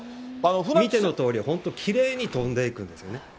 見てのとおり、本当にきれいに飛んでいくんですよね。